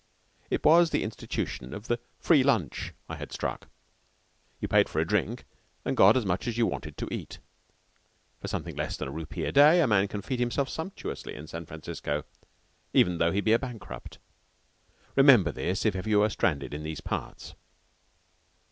It was the institution of the "free lunch" I had struck. You paid for a drink and got as much as you wanted to eat. For something less than a rupee a day a man can feed himself sumptuously in San Francisco, even though he be a bankrupt. Remember this if ever you are stranded in these parts.